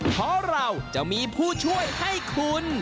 เพราะเราจะมีผู้ช่วยให้คุณ